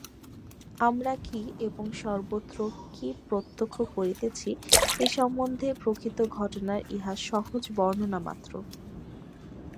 আমরা কি এবং সর্বত্র কি প্রত্যক্ষ করিতেছি এ সম্বন্ধে প্রকৃত ঘটনার ইহা সহজ বর্ণনামাত্র।